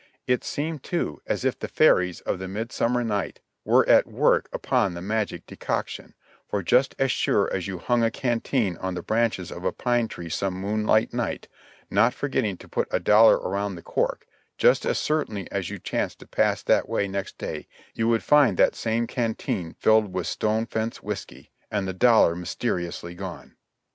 It seemed too as if the Fairies of the Midsummer Night were at work upon the magic decoction, for just as sure as you hung a canteen on the branches of a pine tree some moonlight night, not forgetting to put a dollar around the cork, just as certainly as you chanced to pass that way next day you would find that same canteen filled with stone fence whiskey — and the dollar myster iously gone.